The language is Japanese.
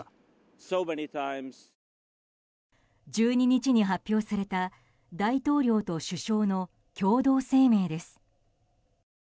１２日に発表された大統領と首相の共同声明です。